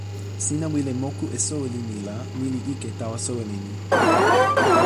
sina wile moku e soweli ni la ni li ike tawa soweli ni.